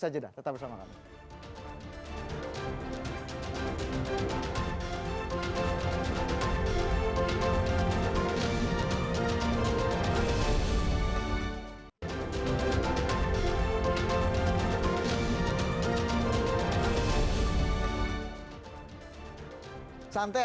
ustaz juna tetap bersama kami